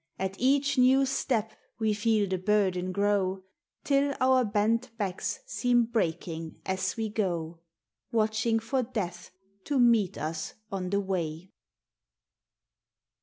At each new step we feei the burden grow, Till our bent backs seem breaking as we go, Watching for Death to meet us on the way.